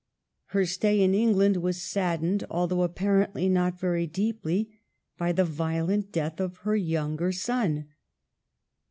Her stay in England was saddened, although apparently not very deeply so, by the violent death of her younger son.